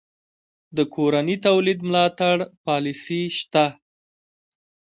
د کورني تولید ملاتړ پالیسي شته؟